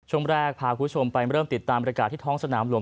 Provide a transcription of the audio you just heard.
ชมแรกพาคุณไปเริ่มติดตามบรรยากาศที่ท้องสนามหลวง